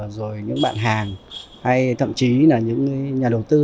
rồi những bạn hàng hay thậm chí là những nhà đầu tư